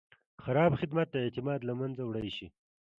خراب خدمت د اعتماد له منځه وړی شي.